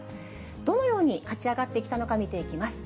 どのように勝ち上がってきたのか見ていきます。